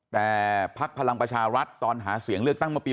แต่ภักดิ์พลังประชารัฐตอนหาเสียงเลือกตั้งมาปี๖๒